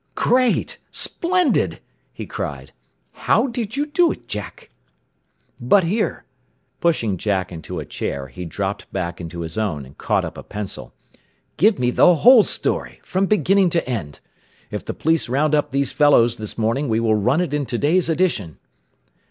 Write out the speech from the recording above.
Great! Splendid!" he cried. "How did you do it, Jack? "But here " Pushing Jack into a chair, he dropped back into his own, and caught up a pencil. "Give me the whole story, from beginning to end. If the police round up these fellows this morning we will run it in to day's edition."